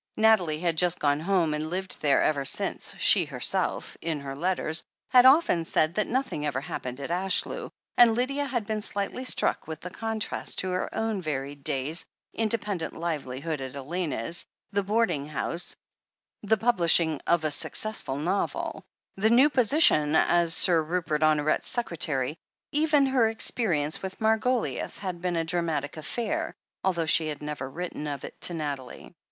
Nathalie had just gone home, and lived there ever since — she herself, in her letters, had often said that nothing ever happened at Ashlew, and Lydia had been slightly struck with the contrast to her own varied THE HEEL OF ACHILLES 271 days — ^independent livelihood at Elena's, the boarding house, the publishing of a successful novel, the new position as Sir Rupert Honoret's secretary. Even her experience with Margoliouth had been a dramatic affair, although she had never written of it to Nathalie.